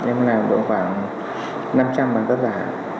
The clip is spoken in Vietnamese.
em làm được khoảng năm trăm linh bằng tác giả